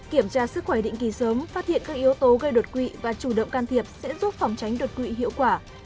kiểm tra sức khỏe định kỳ sớm phát hiện các yếu tố gây đột quỵ và chủ động can thiệp sẽ giúp phòng tránh đột quỵ hiệu quả